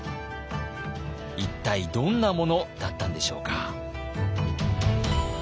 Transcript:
一体どんなものだったんでしょうか。